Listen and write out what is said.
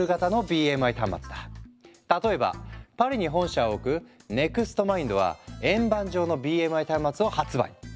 例えばパリに本社を置くＮｅｘｔＭｉｎｄは円盤状のＢＭＩ端末を発売。